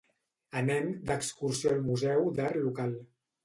Anem d'excursió al museu d'art local.